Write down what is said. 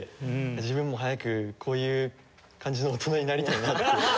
自分も早くこういう感じの大人になりたいなって思いました。